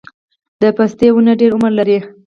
د پستې ونه ډیر عمر لري؟